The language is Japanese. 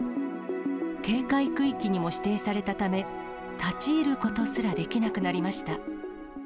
警戒区域にも指定されたため、立ち入ることすらできなくなりました。